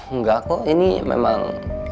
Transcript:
enggak kok ini memang